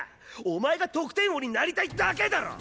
お前が得点王になりたいだけだろ！